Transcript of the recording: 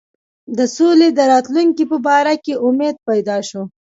د سولي د راتلونکي په باره کې امید پیدا شو.